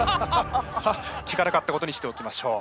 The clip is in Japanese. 聞かなかったことにしておきましょう。